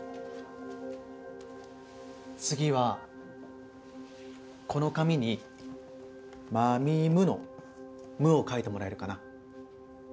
次はこの紙に「まみむ」の「む」を書いてもらえるかな？